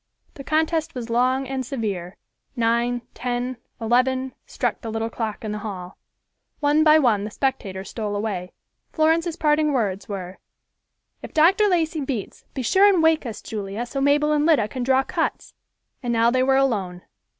The contest was long and severe. Nine, ten, eleven, struck the little clock in the hall. One by one the spectators stole away. Florence's parting words were, "If Dr. Lacey beats, be sure and wake us, Julia, so Mabel and Lida can draw cuts." And now they were alone.